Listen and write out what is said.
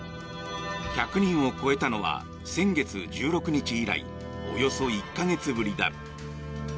１００人を超えたのは先月１６日以来およそ１か月ぶりだ。